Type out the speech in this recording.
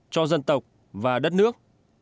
cho dân tộc và đất nước